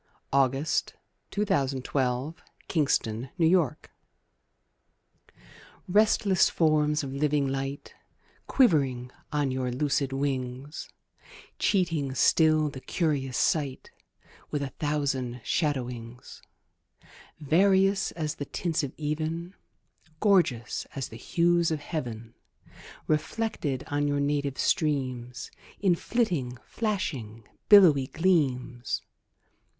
S T . U V . W X . Y Z Address to Certain Golfishes RESTLESS forms of living light Quivering on your lucid wings, Cheating still the curious sight With a thousand shadowings; Various as the tints of even, Gorgeous as the hues of heaven, Reflected on you native streams In flitting, flashing, billowy gleams!